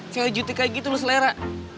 si ami jutek kayak gitu lo selera